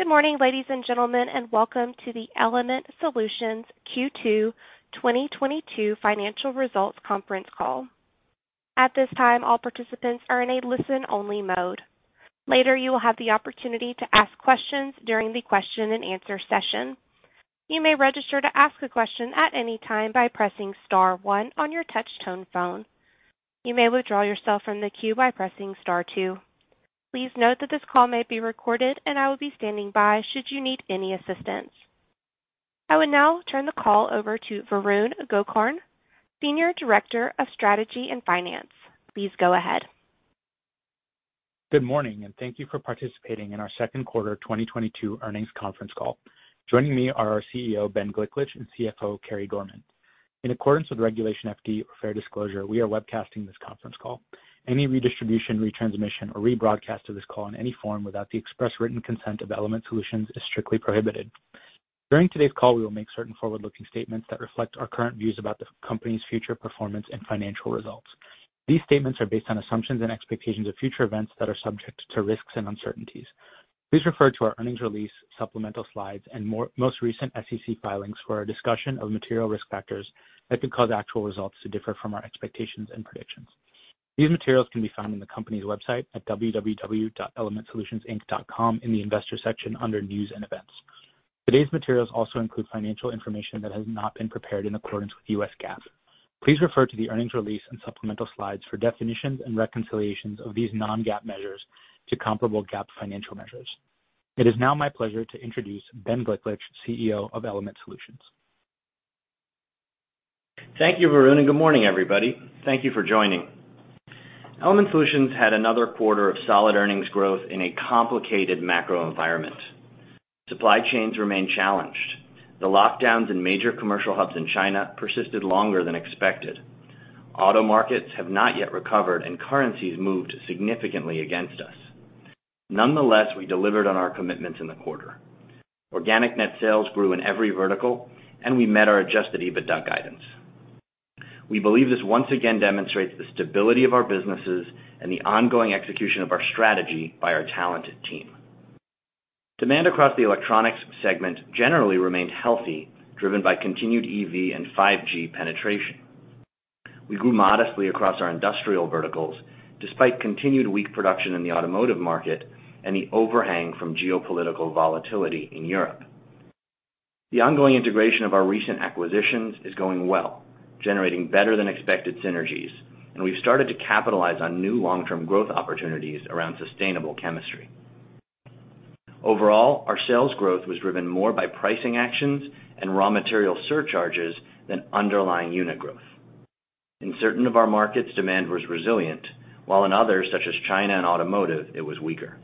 Good morning, ladies and gentlemen, and welcome to the Element Solutions Q2 2022 financial results conference call. At this time, all participants are in a listen-only mode. Later, you will have the opportunity to ask questions during the question and answer session. You may register to ask a question at any time by pressing star one on your touch tone phone. You may withdraw yourself from the queue by pressing star two. Please note that this call may be recorded, and I will be standing by should you need any assistance. I will now turn the call over to Varun Gokarn, Senior Director of Strategy and Finance. Please go ahead. Good morning, and thank you for participating in our Q2 2022 earnings conference call. Joining me are our CEO, Ben Gliklich, and CFO, Carey Dorman. In accordance with Regulation FD, fair disclosure, we are webcasting this conference call. Any redistribution, retransmission, or rebroadcast of this call in any form without the express written consent of Element Solutions is strictly prohibited. During today's call, we will make certain forward-looking statements that reflect our current views about the company's future performance and financial results. These statements are based on assumptions and expectations of future events that are subject to risks and uncertainties. Please refer to our earnings release, supplemental slides, and most recent SEC filings for a discussion of material risk factors that could cause actual results to differ from our expectations and predictions. These materials can be found on the company's website at www.elementsolutionsinc.com in the Investor section under News & Events. Today's materials also include financial information that has not been prepared in accordance with the US GAAP. Please refer to the earnings release and supplemental slides for definitions and reconciliations of these non-GAAP measures to comparable GAAP financial measures. It is now my pleasure to introduce Ben Gliklich, CEO of Element Solutions. Thank you, Varun, and good morning, everybody. Thank you for joining. Element Solutions had another quarter of solid earnings growth in a complicated macro environment. Supply chains remain challenged. The lockdowns in major commercial hubs in China persisted longer than expected. Auto markets have not yet recovered, and currencies moved significantly against us. Nonetheless, we delivered on our commitments in the quarter. Organic net sales grew in every vertical, and we met our adjusted EBITDA guidance. We believe this once again demonstrates the stability of our businesses and the ongoing execution of our strategy by our talented team. Demand across the electronics segment generally remained healthy, driven by continued EV and 5G penetration. We grew modestly across our industrial verticals despite continued weak production in the automotive market and the overhang from geopolitical volatility in Europe. The ongoing integration of our recent acquisitions is going well, generating better than expected synergies, and we've started to capitalize on new long-term growth opportunities around sustainable chemistry. Overall, our sales growth was driven more by pricing actions and raw material surcharges than underlying unit growth. In certain of our markets, demand was resilient, while in others, such as China and automotive, it was weaker.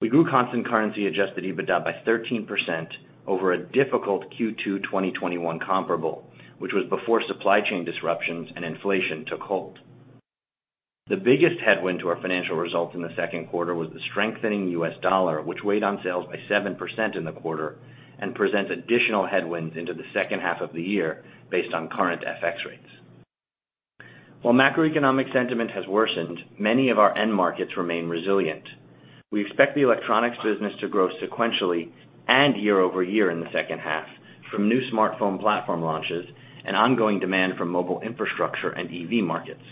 We grew constant currency adjusted EBITDA by 13 over a difficult Q2 2021 comparable, which was before supply chain disruptions and inflation took hold. The biggest headwind to our financial results in the Q2 was the strengthening U.S. dollar, which weighed on sales by 7% in the quarter and presents additional headwinds into the second half of the year based on current FX rates. While macroeconomic sentiment has worsened, many of our end markets remain resilient. We expect the electronics business to grow sequentially and year-over-year in the second half from new smartphone platform launches and ongoing demand from mobile infrastructure and EV markets.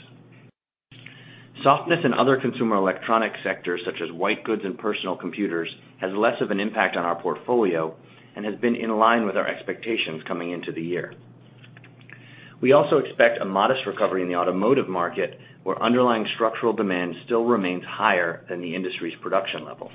Softness in other consumer electronics sectors, such as white goods and personal computers, has less of an impact on our portfolio and has been in line with our expectations coming into the year. We also expect a modest recovery in the automotive market, where underlying structural demand still remains higher than the industry's production levels.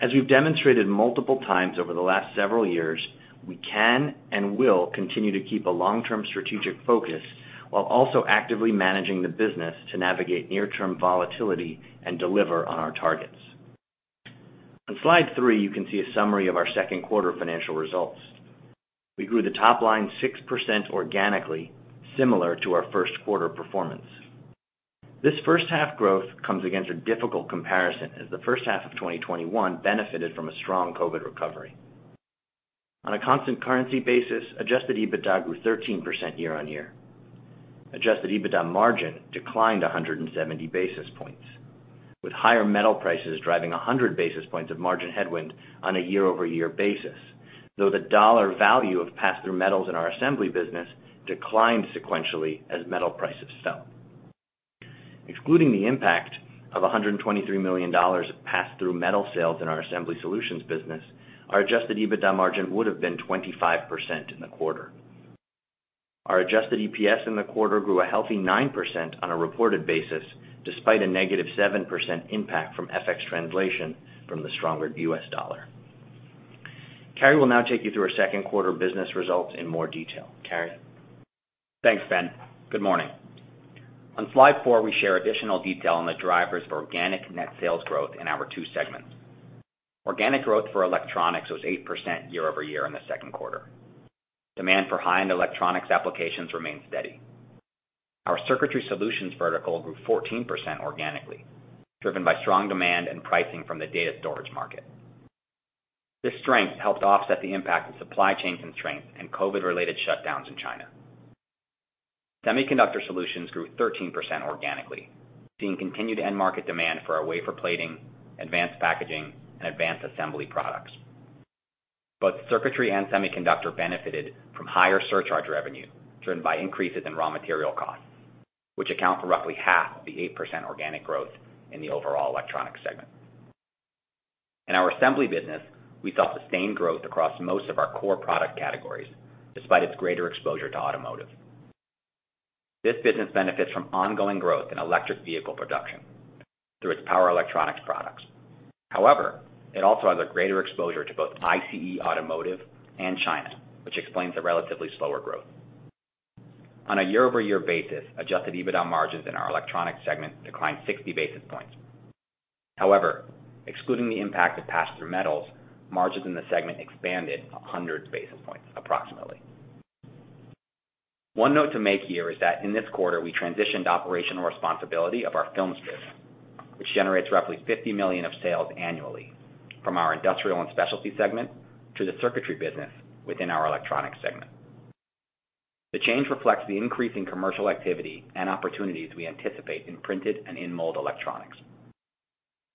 As we've demonstrated multiple times over the last several years, we can and will continue to keep a long-term strategic focus while also actively managing the business to navigate near-term volatility and deliver on our targets. On slide 3, you can see a summary of our Q2 financial results. We grew the top line 6% organically, similar to our Q1 performance. This first half growth comes against a difficult comparison as the first half of 2021 benefited from a strong COVID recovery. On a constant currency basis, adjusted EBITDA grew 13% year-over-year. Adjusted EBITDA margin declined 170 basis points, with higher metal prices driving 100 basis points of margin headwind on a year-over-year basis. Though the dollar value of pass-through metals in our assembly business declined sequentially as metal prices fell. Excluding the impact of $123 million of pass-through metal sales in our Assembly Solutions business, our adjusted EBITDA margin would have been 25% in the quarter. Our adjusted EPS in the quarter grew a healthy 9% on a reported basis, despite a negative 7% impact from FX translation from the stronger US dollar. Carey will now take you through our Q2 business results in more detail. Carey? Thanks, Ben. Good morning. On slide 4, we share additional detail on the drivers for organic net sales growth in our two segments. Organic growth for electronics was 8% year-over-year in the Q2. Demand for high-end electronics applications remained steady. Our Circuitry Solutions vertical grew 14% organically, driven by strong demand and pricing from the data storage market. This strength helped offset the impact of supply chain constraints and COVID-related shutdowns in China. Semiconductor Solutions grew 13% organically, seeing continued end market demand for our wafer plating, advanced packaging, and advanced assembly products. Both Circuitry and Semiconductor benefited from higher surcharge revenue, driven by increases in raw material costs, which account for roughly half of the 8% organic growth in the overall electronics segment. In our Assembly business, we saw sustained growth across most of our core product categories, despite its greater exposure to automotive. This business benefits from ongoing growth in electric vehicle production through its power electronics products. However, it also has a greater exposure to both ICE Automotive and China, which explains the relatively slower growth. On a year-over-year basis, adjusted EBITDA margins in our electronics segment declined 60 basis points. However, excluding the impact of pass-through metals, margins in the segment expanded 100 basis points approximately. One note to make here is that in this quarter, we transitioned operational responsibility of our films business, which generates roughly $50 million of sales annually from our Industrial & Specialty segment to the Circuitry Solutions business within our Electronics segment. The change reflects the increasing commercial activity and opportunities we anticipate in printed and in-mold electronics.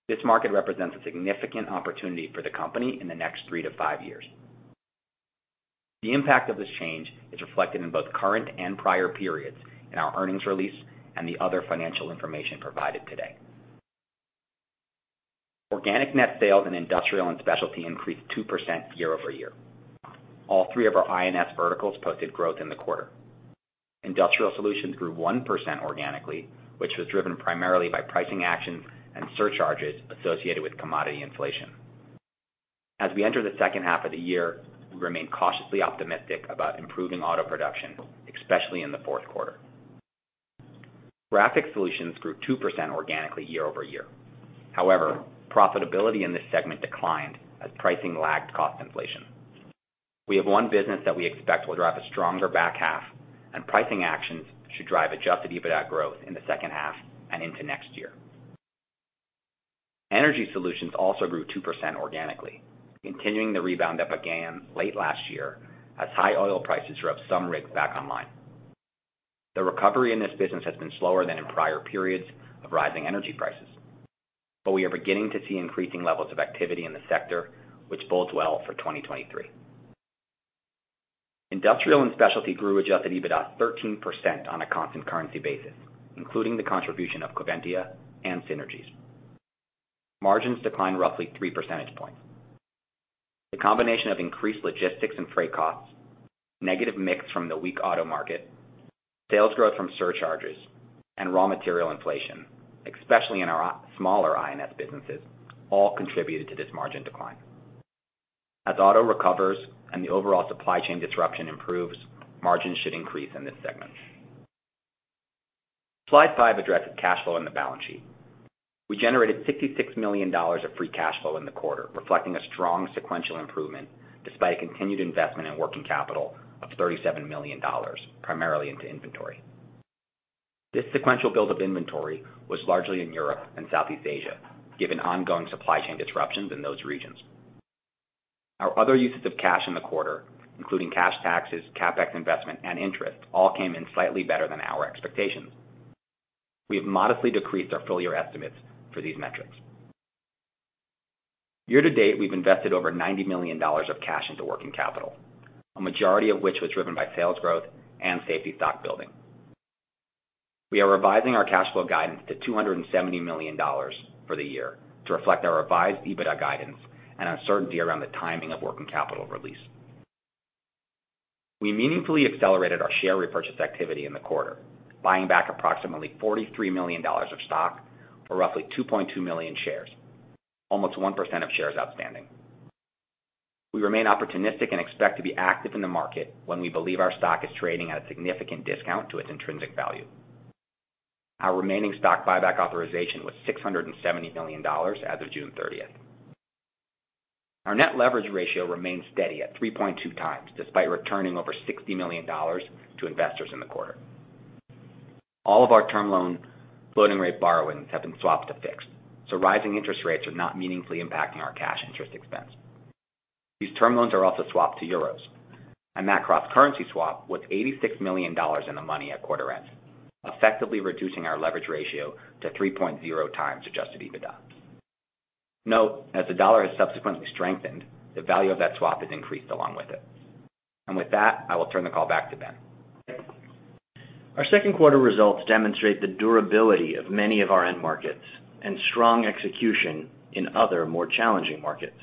This market represents a significant opportunity for the company in the next 3 to 5 years. The impact of this change is reflected in both current and prior periods in our earnings release and the other financial information provided today. Organic net sales in Industrial & Specialty increased 2% year-over-year. All 3 of our I&S verticals posted growth in the quarter. Industrial Solutions grew 1% organically, which was driven primarily by pricing actions and surcharges associated with commodity inflation. As we enter the second half of the year, we remain cautiously optimistic about improving auto production, especially in the Q4. Graphics Solutions grew 2% organically year-over-year. However, profitability in this segment declined as pricing lagged cost inflation. We have one business that we expect will drive a stronger back half, and pricing actions should drive adjusted EBITDA growth in the second half and into next year. Energy Solutions also grew 2% organically, continuing the rebound that began late last year as high oil prices drove some rigs back online. The recovery in this business has been slower than in prior periods of rising energy prices, but we are beginning to see increasing levels of activity in the sector, which bodes well for 2023. Industrial & Specialty grew adjusted EBITDA 13% on a constant-currency basis, including the contribution of Coventya and synergies. Margins declined roughly 3 percentage points. The combination of increased logistics and freight costs, negative mix from the weak auto market, sales growth from surcharges, and raw material inflation, especially in our smaller I&S businesses, all contributed to this margin decline. As auto recovers and the overall supply chain disruption improves, margins should increase in this segment. Slide 5 addresses cash flow in the balance sheet. We generated $66 million of free cash flow in the quarter, reflecting a strong sequential improvement despite a continued investment in working capital of $37 million, primarily into inventory. This sequential build of inventory was largely in Europe and Southeast Asia, given ongoing supply chain disruptions in those regions. Our other uses of cash in the quarter, including cash taxes, CapEx investment, and interest, all came in slightly better than our expectations. We have modestly decreased our full year estimates for these metrics. Year to date, we've invested over $90 million of cash into working capital, a majority of which was driven by sales growth and safety stock building. We are revising our cash flow guidance to $270 million for the year to reflect our revised EBITDA guidance and uncertainty around the timing of working capital release. We meaningfully accelerated our share repurchase activity in the quarter, buying back approximately $43 million of stock or roughly 2.2 million shares, almost 1% of shares outstanding. We remain opportunistic and expect to be active in the market when we believe our stock is trading at a significant discount to its intrinsic value. Our remaining stock buyback authorization was $670 million as of June 30. Our net leverage ratio remains steady at 3.2 times, despite returning over $60 million to investors in the quarter. All of our term loan floating rate borrowings have been swapped to fixed, so rising interest rates are not meaningfully impacting our cash interest expense. These term loans are also swapped to euros, and that cross-currency swap was $86 million in the money at quarter end, effectively reducing our leverage ratio to 3 times adjusted EBITDA. Note, as the dollar has subsequently strengthened, the value of that swap has increased along with it. With that, I will turn the call back to Ben. Our Q2 results demonstrate the durability of many of our end markets and strong execution in other more challenging markets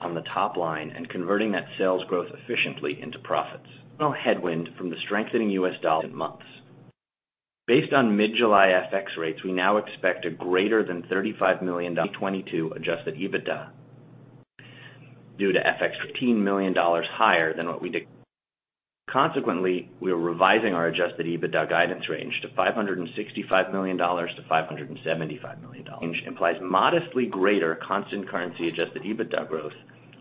on the top line and converting that sales growth efficiently into profits. No headwind from the strengthening U.S. dollar in months. Based on mid-July FX rates, we now expect a greater than $35 million to 2022 adjusted EBITDA due to FX $15 million higher than what we guided. Consequently, we are revising our adjusted EBITDA guidance range to $565 million-$575 million. Range implies modestly greater constant currency adjusted EBITDA growth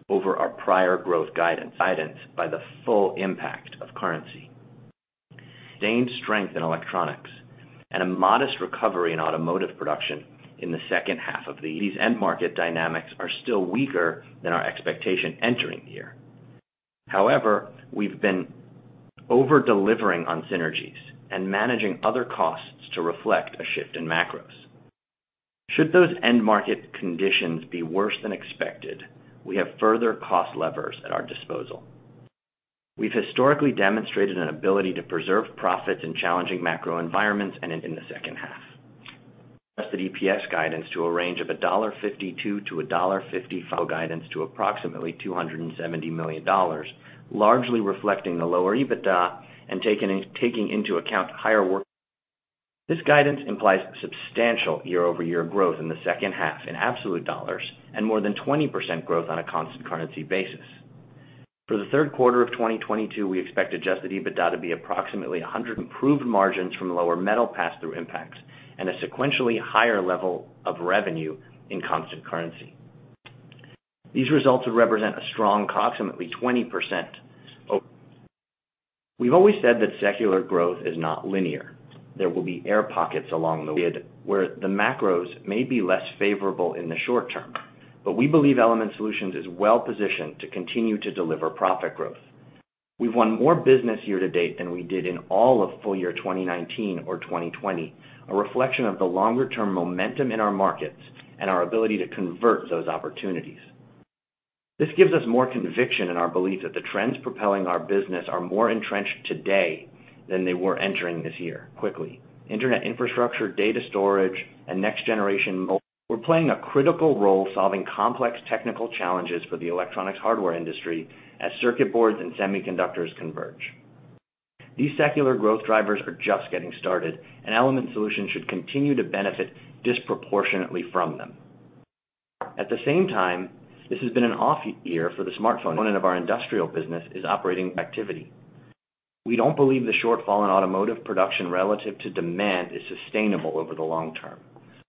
over our prior growth guidance by the full impact of currency. Sustained strength in electronics. A modest recovery in automotive production in the second half of the year. These end market dynamics are still weaker than our expectation entering the year. However, we've been over-delivering on synergies and managing other costs to reflect a shift in macros. Should those end market conditions be worse than expected, we have further cost levers at our disposal. We've historically demonstrated an ability to preserve profits in challenging macro environments and in the second half. EPS guidance to a range of $1.52-$1.55. Guidance to approximately $270 million, largely reflecting the lower EBITDA and taking into account higher FX. This guidance implies substantial year-over-year growth in the second half in absolute dollars and more than 20% growth on a constant currency basis. For the Q3 of 2022, we expect adjusted EBITDA to be approximately $100. Improved margins from lower metal pass-through impacts and a sequentially higher level of revenue in constant currency. These results represent a strong approximately 20% over. We've always said that secular growth is not linear. There will be air pockets along the way where the macros may be less favorable in the short term. We believe Element Solutions is well-positioned to continue to deliver profit growth. We've won more business year-to-date than we did in all of full year 2019 or 2020, a reflection of the longer-term momentum in our markets and our ability to convert those opportunities. This gives us more conviction in our belief that the trends propelling our business are more entrenched today than they were entering this year. Quickly, internet infrastructure, data storage, and next-generation mobile. We're playing a critical role solving complex technical challenges for the electronics hardware industry as circuit boards and semiconductors converge. These secular growth drivers are just getting started, and Element Solutions should continue to benefit disproportionately from them. At the same time, this has been an off year for the smartphone. One of our industrial business is operating activity. We don't believe the shortfall in automotive production relative to demand is sustainable over the long term.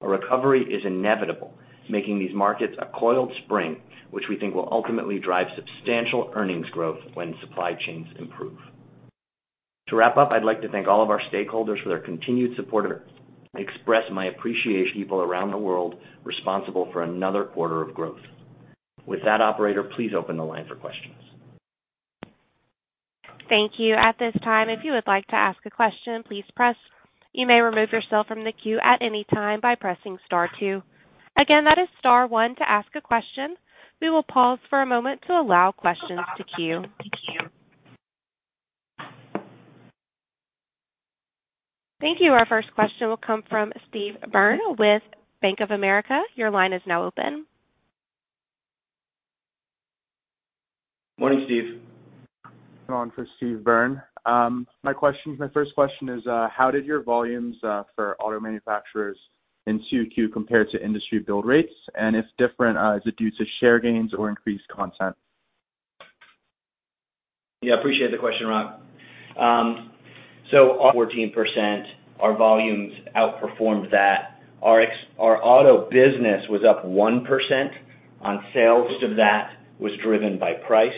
A recovery is inevitable, making these markets a coiled spring, which we think will ultimately drive substantial earnings growth when supply chains improve. To wrap up, I'd like to thank all of our stakeholders for their continued support and express my appreciation for people around the world responsible for another quarter of growth. With that, operator, please open the line for questions. Thank you. At this time, if you would like to ask a question, please press. You may remove yourself from the queue at any time by pressing star two. Again, that is star one to ask a question. We will pause for a moment to allow questions to queue. Thank you. Our first question will come from Steve Byrne with Bank of America. Your line is now open. Morning, Steve. Ron, for Steve Byrne. My first question is, how did your volumes for auto manufacturers in 2Q compare to industry build rates? If different, is it due to share gains or increased content? Yeah, I appreciate the question, Ron. 14%, our volumes outperformed that. Our auto business was up 1% on sales. Most of that was driven by price,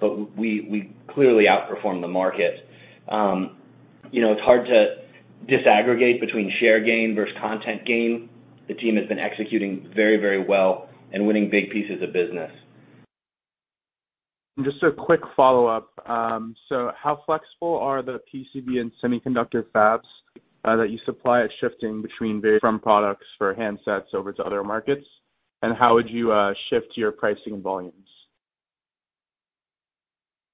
but we clearly outperformed the market. You know, it's hard to disaggregate between share gain versus content gain. The team has been executing very, very well and winning big pieces of business. Just a quick follow-up. So how flexible are the PCB and semiconductor fabs that you supply in shifting between various products for handsets over to other markets? How would you shift your pricing volumes?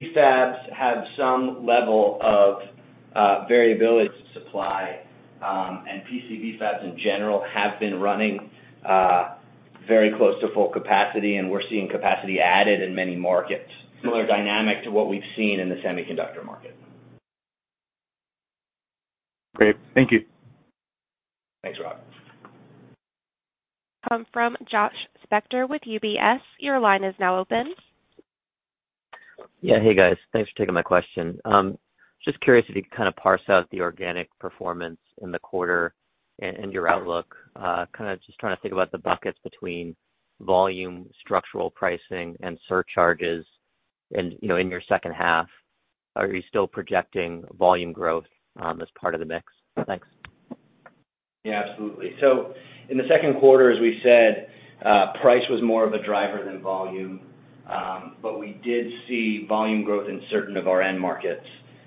Fabs have some level of variability to supply, and PCB fabs in general have been running very close to full capacity, and we're seeing capacity added in many markets. Similar dynamic to what we've seen in the semiconductor market. Great. Thank you. Thanks, Ron. From Joshua Spector with UBS, your line is now open. Yeah. Hey, guys. Thanks for taking my question. Just curious if you could kind of parse out the organic performance in the quarter and your outlook. Kind of just trying to think about the buckets between volume, structural pricing, and surcharges and, you know, in your second half. Are you still projecting volume growth as part of the mix? Thanks. Yeah, absolutely. In the Q2, as we said, price was more of a driver than volume, but we did see volume growth in certain of our end markets,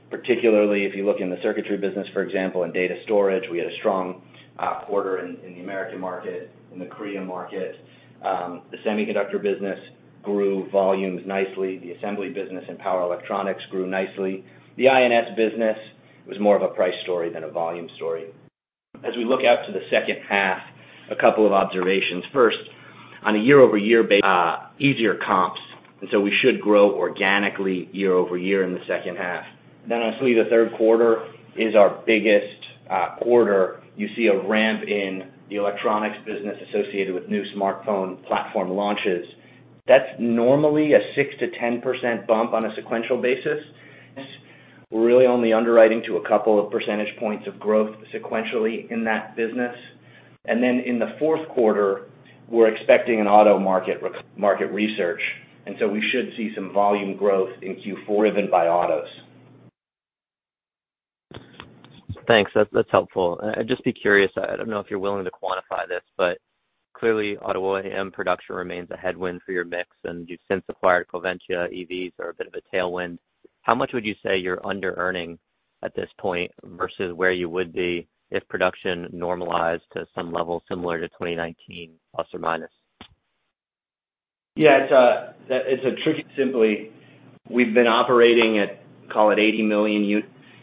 particularly if you look in the circuitry business, for example, in data storage, we had a strong quarter in the American market, in the Korean market. The semiconductor business grew volumes nicely. The assembly business and power electronics grew nicely. The I&S business was more of a price story than a volume story. As we look out to the second half, a couple of observations. First, on a year-over-year basis, easier comps, and so we should grow organically year-over-year in the second half. Obviously the Q3 is our biggest quarter. You see a ramp in the electronics business associated with new smartphone platform launches. That's normally a 6%-10% bump on a sequential basis. We're really only underwriting to a couple of percentage points of growth sequentially in that business. Then in the Q4, we're expecting an auto market recovery, and so we should see some volume growth in Q4 driven by autos. Thanks. That's helpful. I'd just be curious. I don't know if you're willing to quantify this, but clearly, auto OEM production remains a headwind for your mix, and you've since acquired Coventya. EVs are a bit of a tailwind. How much would you say you're under-earning at this point versus where you would be if production normalized to some level similar to 2019, plus or minus? Yeah, it's a tricky one. We've been operating at, call it $80 million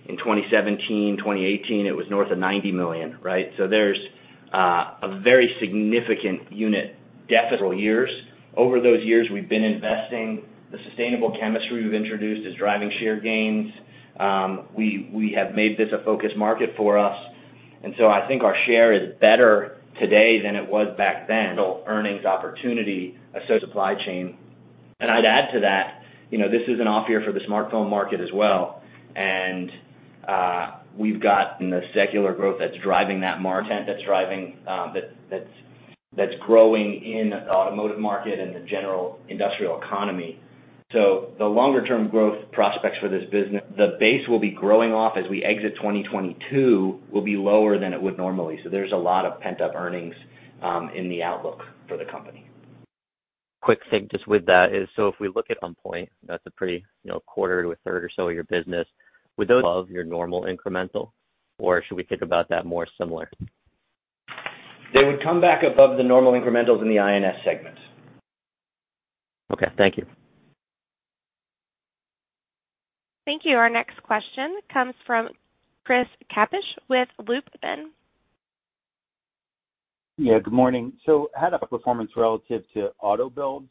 in 2017. 2018, it was north of $90 million, right? There's a very significant unit deficit years. Over those years, we've been investing. The sustainable chemistry we've introduced is driving share gains. We have made this a focus market for us. I think our share is better today than it was back then. Earnings opportunity. Supply chain. I'd add to that, you know, this is an off year for the smartphone market as well, and we've got the secular growth that's driving that market, that's growing in the automotive market and the general industrial economy. The longer term growth prospects for this business, the base will be growing off as we exit 2022, will be lower than it would normally. There's a lot of pent-up earnings in the outlook for the company. Quick take just with that is, if we look at On Poynt, that's a pretty, you know, quarter to a third or so of your business. Would those above your normal incremental, or should we think about that more similar? They would come back above the normal incrementals in the I&S segment. Okay, thank you. Thank you. Our next question comes from Chris Kapsch with Loop Capital. Yeah, good morning. How about performance relative to auto builds?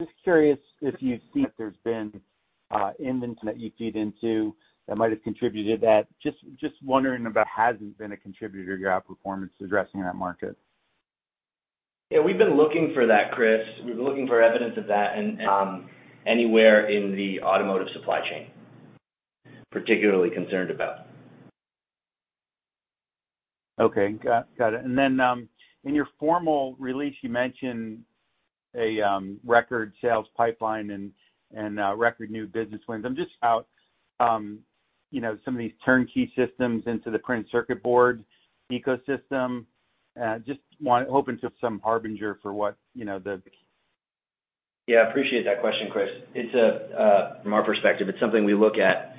Just curious if you see that there's been inventory that you feed into that might have contributed that. Just wondering if it hasn't been a contributor to your outperformance addressing that market. Yeah, we've been looking for that, Chris. We've been looking for evidence of that and anywhere in the automotive supply chain, particularly concerned about. Okay, got it. In your formal release, you mentioned a record sales pipeline and record new business wins. I'm just, you know, some of these turnkey systems into the printed circuit board ecosystem. Hoping it's some harbinger for what, you know, the- Yeah, appreciate that question, Chris. It's from our perspective, it's something we look at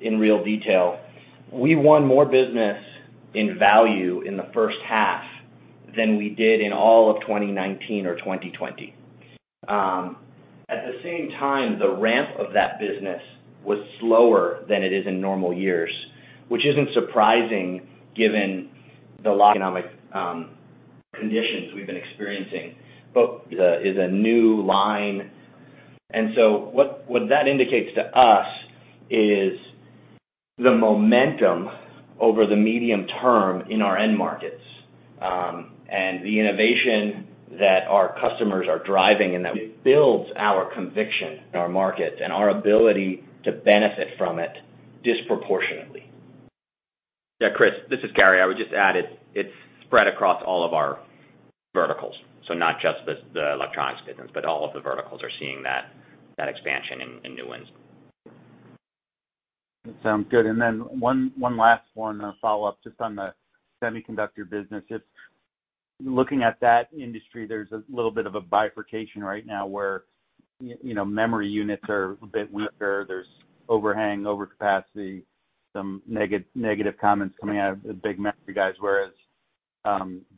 in real detail. We won more business in value in the first half than we did in all of 2019 or 2020. At the same time, the ramp of that business was slower than it is in normal years, which isn't surprising given the global economic conditions we've been experiencing. That is a new line. What that indicates to us is the momentum over the medium term in our end markets, and the innovation that our customers are driving and that it builds our conviction in our market and our ability to benefit from it disproportionately. Yeah, Chris, this is Carey. I would just add it's spread across all of our verticals. Not just the electronics business, but all of the verticals are seeing that expansion in new ones. That sounds good. One last follow-up just on the semiconductor business. Just looking at that industry, there's a little bit of a bifurcation right now where you know, memory units are a bit weaker. There's overhang, overcapacity, some negative comments coming out of the big memory guys, whereas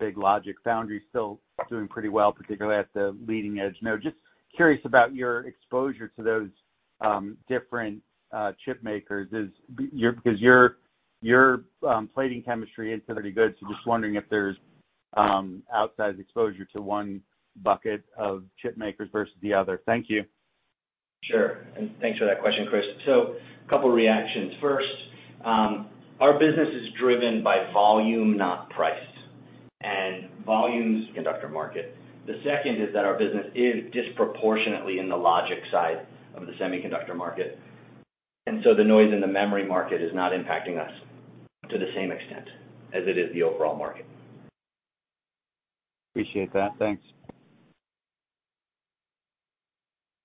big logic foundry is still doing pretty well, particularly at the leading edge. Now, just curious about your exposure to those different chip makers. Because your plating chemistry is pretty good, so just wondering if there's outsized exposure to one bucket of chip makers versus the other. Thank you. Sure. Thanks for that question, Chris. A couple reactions. First, our business is driven by volume, not price, and volumes semiconductor market. The second is that our business is disproportionately in the logic side of the semiconductor market, and so the noise in the memory market is not impacting us to the same extent as it is the overall market. Appreciate that. Thanks.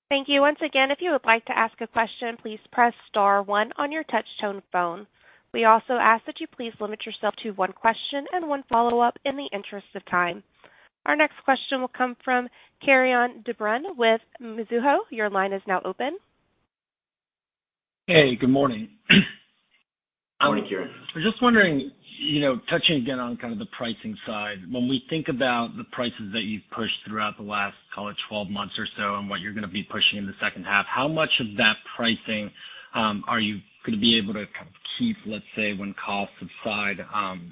Thank you. Once again, if you would like to ask a question, please press star one on your touch tone phone. We also ask that you please limit yourself to one question and one follow-up in the interest of time. Our next question will come from Kieran De Brun with Mizuho. Your line is now open. Good morning. Morning, Kieran. I'm just wondering, you know, touching again on kind of the pricing side. When we think about the prices that you've pushed throughout the last, call it, 12 months or so, and what you're gonna be pushing in the second half, how much of that pricing are you gonna be able to kind of keep, let's say, when costs subside,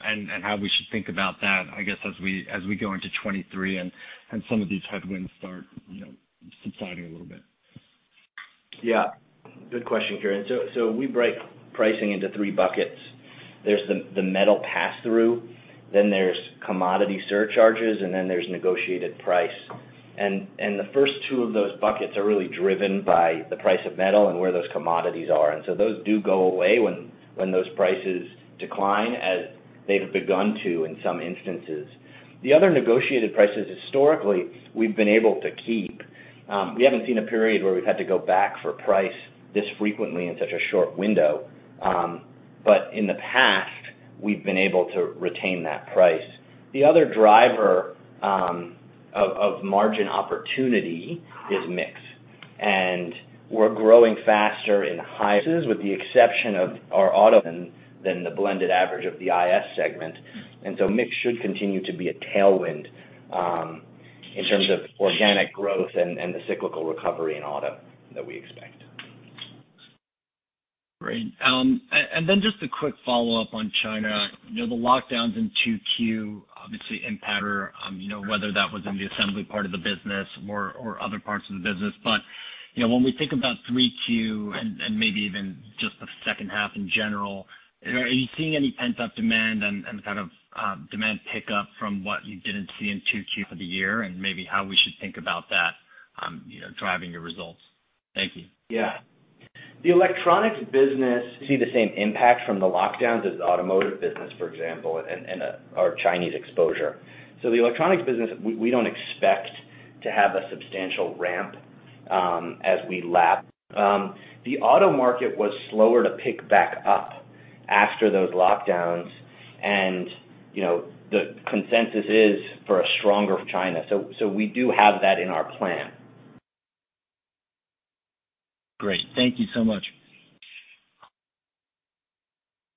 and how we should think about that, I guess, as we go into 2023 and some of these headwinds start, you know, subsiding a little bit? Yeah. Good question, Kieran. So we break pricing into three buckets. There's the metal pass-through, then there's commodity surcharges, and then there's negotiated price. The first two of those buckets are really driven by the price of metal and where those commodities are. Those do go away when those prices decline as they've begun to in some instances. The other negotiated prices, historically, we've been able to keep. We haven't seen a period where we've had to go back for price this frequently in such a short window. In the past, we've been able to retain that price. The other driver of margin opportunity is mix, and we're growing faster in high with the exception of our auto than the blended average of the I&S segment. Mix should continue to be a tailwind in terms of organic growth and the cyclical recovery in auto that we expect. Great. Just a quick follow-up on China. You know, the lockdowns in 2Q obviously impact, you know, whether that was in the assembly part of the business or other parts of the business. You know, when we think about 3Q and maybe even just the second half in general, are you seeing any pent-up demand and kind of, demand pickup from what you didn't see in 2Q for the year and maybe how we should think about that, you know, driving your results? Thank you. Yeah. The electronics business see the same impact from the lockdowns as the automotive business, for example, in our Chinese exposure. The electronics business, we don't expect to have a substantial ramp as we lap. The auto market was slower to pick back up after those lockdowns. You know, the consensus is for a stronger China. We do have that in our plan. Great. Thank you so much.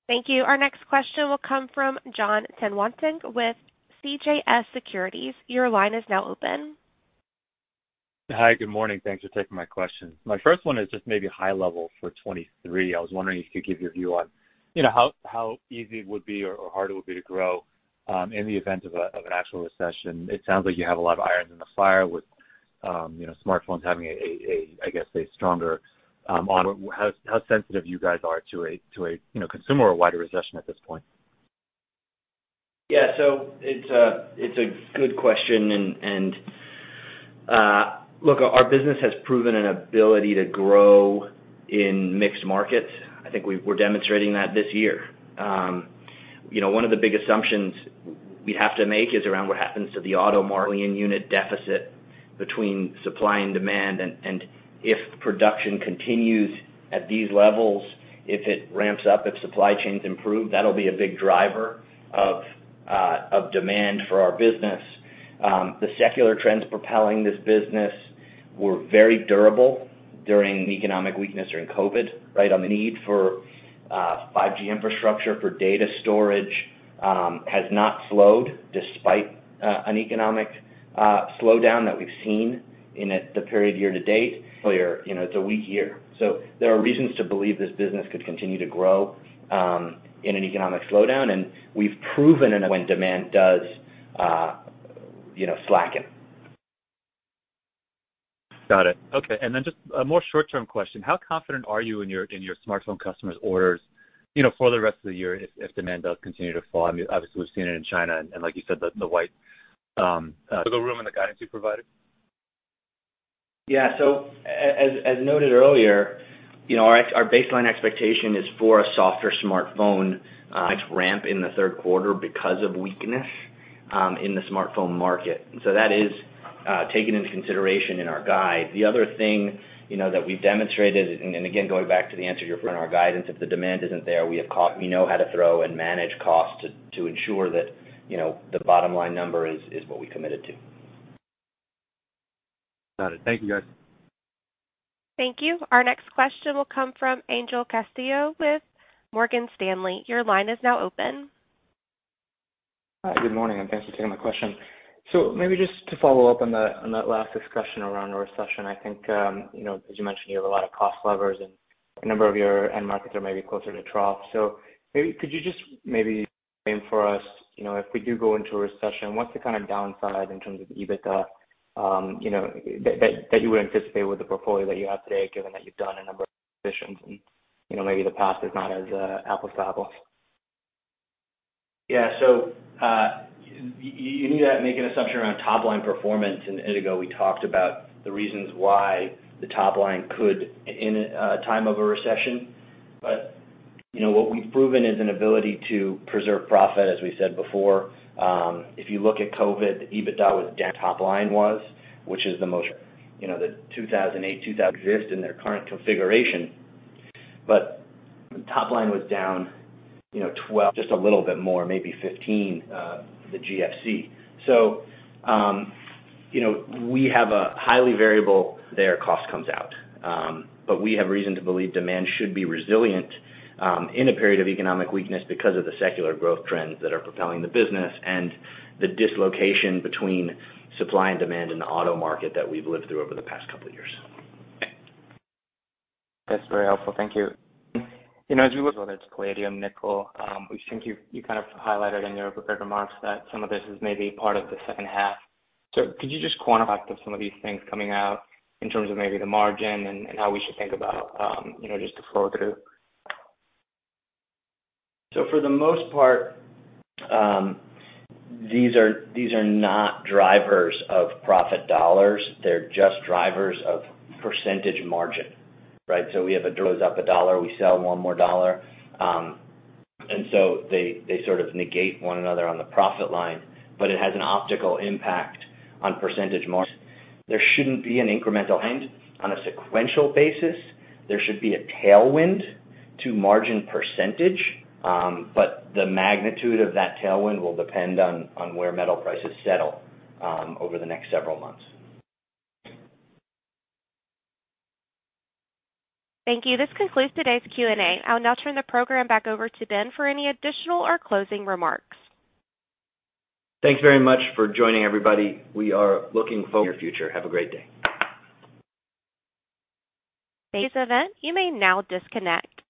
Thank you. Our next question will come from Jon Tanwanteng with CJS Securities. Your line is now open. Hi. Good morning. Thanks for taking my question. My first one is just maybe high level for 2023. I was wondering if you could give your view on, you know, how easy it would be or hard it would be to grow in the event of an actual recession. It sounds like you have a lot of irons in the fire with, you know, smartphones having a, I guess, a stronger auto. How sensitive you guys are to a, you know, consumer or a wider recession at this point? Yeah. It's a good question. Look, our business has proven an ability to grow in mixed markets. I think we're demonstrating that this year. You know, one of the big assumptions we'd have to make is around what happens to the auto market in unit deficit between supply and demand. If production continues at these levels, if it ramps up, if supply chains improve, that'll be a big driver of demand for our business. The secular trends propelling this business were very durable during economic weakness during COVID, right? On the need for 5G infrastructure for data storage has not slowed despite an economic slowdown that we've seen in it the period year to date. Clearly, you know, it's a weak year. There are reasons to believe this business could continue to grow in an economic slowdown. We've proven when demand does, you know, slacken. Got it. Okay. Then just a more short-term question. How confident are you in your smartphone customers' orders, you know, for the rest of the year if demand does continue to fall? I mean, obviously, we've seen it in China, and like you said, the wide room in the guidance you provided. Yeah. As noted earlier, you know, our baseline expectation is for a softer smartphone ramp in the Q3 because of weakness in the smartphone market. That is taken into consideration in our guide. The other thing, you know, that we've demonstrated, and again, going back to the answer to your first, our guidance, if the demand isn't there, we know how to control and manage costs to ensure that, you know, the bottom-line number is what we committed to. Got it. Thank you, guys. Thank you. Our next question will come from Angel Castillo with Morgan Stanley. Your line is now open. Hi. Good morning, and thanks for taking my question. Maybe just to follow up on that last discussion around a recession. I think, you know, as you mentioned, you have a lot of cost levers, and a number of your end markets are maybe closer to trough. Maybe could you just maybe frame for us, you know, if we do go into a recession, what's the kind of downside in terms of EBITDA, you know, that you would anticipate with the portfolio that you have today, given that you've done a number of positions and, you know, maybe the past is not as applicable? Yeah. You need to make an assumption around top line performance. A minute ago, we talked about the reasons why the top line could in a time of a recession. You know, what we've proven is an ability to preserve profit, as we said before. If you look at COVID, EBITDA was down, top line was down, which is the most, you know, since 2008, since they exist in their current configuration. Top line was down, you know, 12%, just a little bit more, maybe 15%, the GFC. You know, we have a highly variable there, cost comes out. We have reason to believe demand should be resilient in a period of economic weakness because of the secular growth trends that are propelling the business and the dislocation between supply and demand in the auto market that we've lived through over the past couple of years. That's very helpful. Thank you. You know, as you look, whether it's palladium, nickel, which I think you kind of highlighted in your prepared remarks that some of this is maybe part of the second half. Could you just quantify some of these things coming out in terms of maybe the margin and how we should think about, you know, just the flow through? For the most part, these are, these are not drivers of profit dollars. They're just drivers of percentage margin, right? Goes up a dollar, we sell one more dollar. They, they sort of negate one another on the profit line, but it has an optical impact on percentage margin. There shouldn't be an incremental end on a sequential basis. There should be a tailwind to margin percentage, but the magnitude of that tailwind will depend on where metal prices settle, over the next several months. Thank you. This concludes today's Q&A. I'll now turn the program back over to Ben for any additional or closing remarks. Thanks very much for joining, everybody. We are looking forward to your future. Have a great day. Thanks, everyone. You may now disconnect.